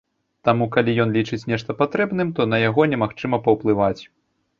Таму калі ён лічыць нешта патрэбным, то на яго немагчыма паўплываць.